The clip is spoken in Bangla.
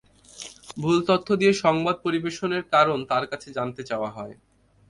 ভুল তথ্য দিয়ে সংবাদ পরিবেশনের কারণ তাঁর কাছে জানতে চাওয়া হয়।